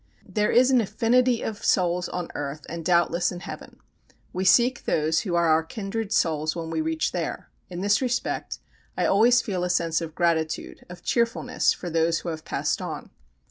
There is an affinity of souls on earth and doubtless in heaven. We seek those who are our kindred souls when we reach there. In this respect I always feel a sense of gratitude, of cheerfulness for those who have passed on.